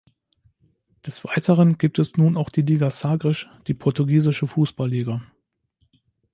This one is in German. Des Weiteren gibt es nun auch die Liga Sagres, die portugiesische Fußball Liga.